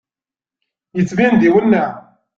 Yettbin-d iwenneɛ.